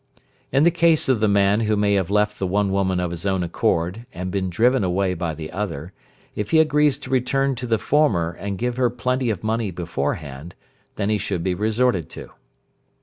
In the case of the man who may have left the one woman of his own accord, and been driven away by the other, if he agrees to return to the former and give her plenty of money beforehand, then he should be resorted to.